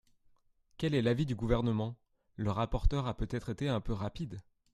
Quel est l’avis du Gouvernement ? Le rapporteur a peut-être été un peu rapide.